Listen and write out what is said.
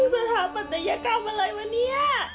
สถาปัตยกรรมอะไรวะเนี่ย